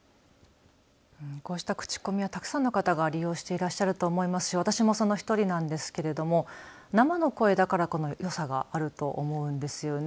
こうしたクチコミはたくさんの方が利用していらっしゃると思いますし私もその１人なんですけれども生の声だからこそのよさがあると思うんですよね